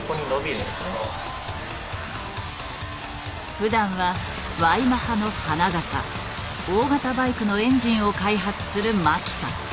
ふだんはＹマハの花形大型バイクのエンジンを開発する牧田。